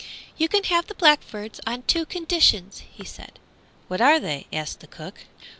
"You can have the blackbirds on two conditions," he said. "What are they?" asked the cook.